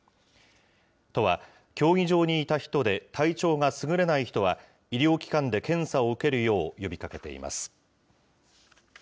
都は競技場にいた人で、体調がすぐれない人は、医療機関で検査を受けるよう、呼びかけています。